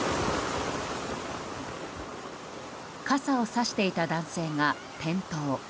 傘をさしていた男性が転倒。